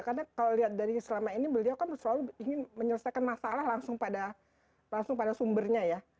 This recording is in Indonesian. karena kalau lihat dari selama ini beliau kan selalu ingin menyelesaikan masalah langsung pada sumbernya ya